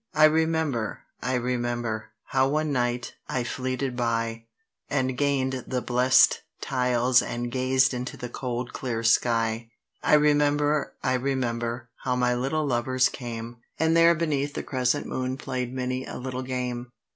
"I remember, I remember," how one night I "fleeted by," And gain'd the blessed tiles and gazed into the cold clear sky. "I remember, I remember, how my little lovers came;" And there, beneath the crescent moon, play'd many a little game.